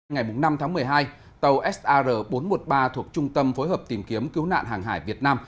ngày năm tháng một mươi hai tàu sar bốn trăm một mươi ba thuộc trung tâm phối hợp tìm kiếm cứu nạn hàng hải việt nam